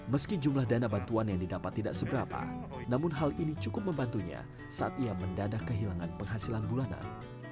meski jumlah dana bantuan yang didapat tidak seberapa namun hal ini cukup membantunya saat ia mendadak kehilangan penghasilan bulanan